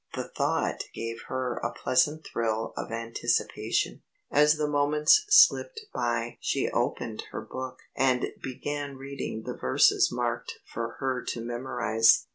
The thought gave her a pleasant thrill of anticipation. As the moments slipped by she opened her book and began repeating the verses marked for her to memorize.